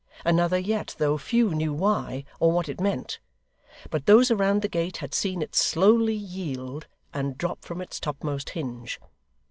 Another yet, though few knew why, or what it meant. But those around the gate had seen it slowly yield, and drop from its topmost hinge.